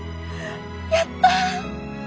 やった！